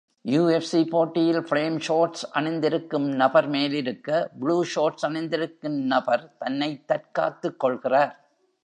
UFC போட்டியில், flame shorts அணிந்திருக்கும் நபர் மேலிருக்க, blue shorts அணிந்திருக்கும் நபர், தன்னைத் தற்காத்துக் கொள்கிறார்